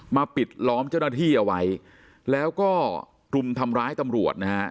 ปิดล้อมเจ้าหน้าที่เอาไว้แล้วก็รุมทำร้ายตำรวจนะฮะ